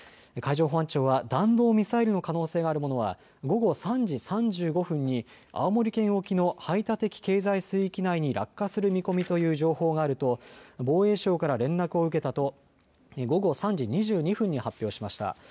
海上保安庁は弾道ミサイルの可能性があるものは午後３時３５分に青森県沖の排他的経済水域内に落下する見込みという情報があると防衛省から連絡を受けたと午後３時２２分に発表しました。